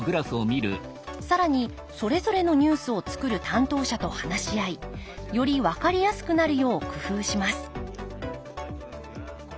更にそれぞれのニュースを作る担当者と話し合いより分かりやすくなるよう工夫します